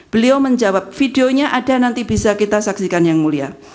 beliau menjawab videonya ada nanti bisa kita saksikan yang mulia